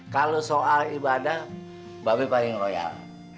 kalau soal ibadah mbak be paling loyal